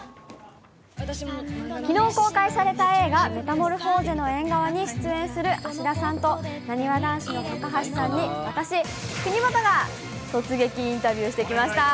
きのう公開された映画、メタモルフォーゼの縁側に出演する芦田さんと、なにわ男子の高橋さんに、私、国本が突撃インタビューしてきました。